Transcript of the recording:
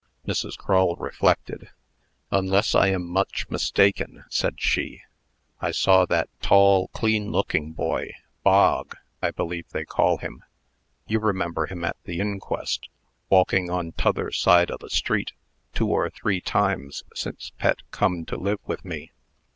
Mrs. Crull reflected. "Unless I am much mistaken," said she, "I saw that tall, clean looking boy, Bog, I believe they call him you remember him at the inquest walking on t'other side o' the street, two or three times since Pet come to live with me.